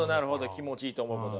気持ちいいと思うこと。